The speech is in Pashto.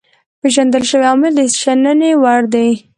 پيژندل شوي عوامل د شنني وړ دي.